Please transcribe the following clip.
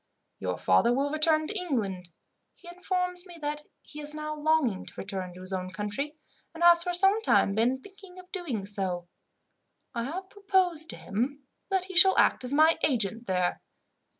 "Your father will return to England. He informs me that he is now longing to return to his own country, and has for some time been thinking of doing so. I have proposed to him that he shall act as my agent there.